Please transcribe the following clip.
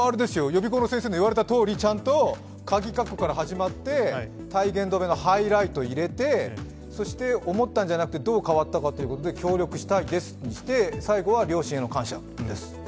予備校の先生の言われたとおり、ちゃんとカギ括弧から始まって体言止めのハイライトを入れてそして、思ったんじゃなくてどう変わったかということで「協力したいです」にして、最後は両親への感謝です。